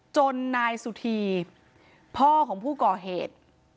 จนนายสุธีพ่อของผู้ก่อเหตุ